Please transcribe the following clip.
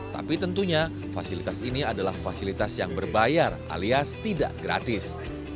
tapi tentunya fasilitas ini adalah fasilitas yang berbayar alias tidak gratis